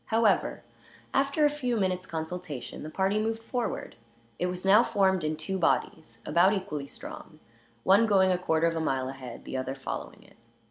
However, after a few minutes' consultation the party moved forward. It was now formed in two bodies, about equally strong; one going a quarter of a mile ahead, the other following it.